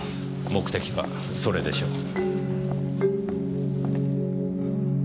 目的はそれでしょう。